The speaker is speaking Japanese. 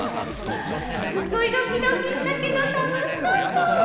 すっごいドキドキしたけどたのしかった。